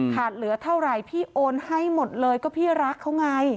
เหลือเท่าไหร่พี่โอนให้หมดเลยก็พี่รักเขาไง